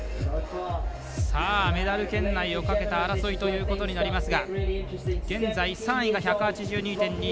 メダル圏内をかけた争いということになりますが現在、３位が１８２．２５。